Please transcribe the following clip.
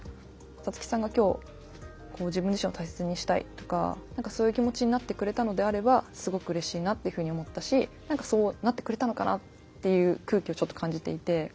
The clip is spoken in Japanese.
サツキさんが今日こう自分自身を大切にしたいとかそういう気持ちになってくれたのであればすごくうれしいなっていうふうに思ったし何かそうなってくれたのかなっていう空気をちょっと感じていて。